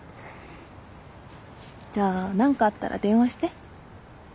じゃあ何かあったら電話して。